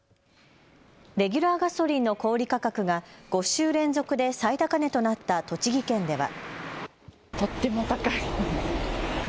レギュラーガソリンの小売価格が５週連続で最高値となった栃木県では。